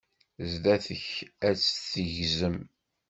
Zdat-k ad tt-tegzem.